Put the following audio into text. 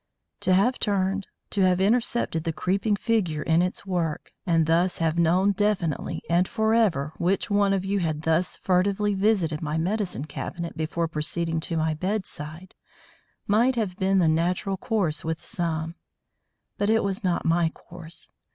To have turned, to have intercepted the creeping figure in its work, and thus have known definitely and forever which one of you had thus furtively visited my medicine cabinet before proceeding to my bedside, might have been the natural course with some; but it was not my course.